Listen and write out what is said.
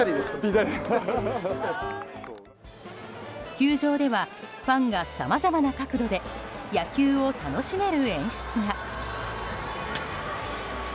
球場ではファンがさまざまな角度で野球を楽しめる演出が。